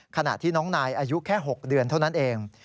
ขณะที่น้องนายอายุแค่๖เดือนเท่านั้นเอง